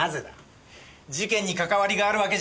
事件にかかわりがあるわけじゃないだろう？